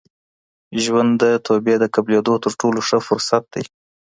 ژوند د توبې د قبلېدو تر ټولو ښه فرصت دی.